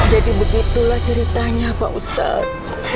jadi begitulah ceritanya pak ustaz